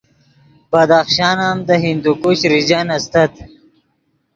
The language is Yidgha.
بدخشان ام دے ہندوکش ریجن استت